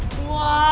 tunggu dulu ya